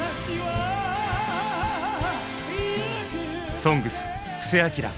「ＳＯＮＧＳ」布施明。